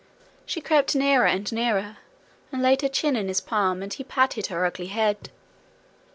She crept nearer and nearer, and laid her chin in his palm, and he patted her ugly head.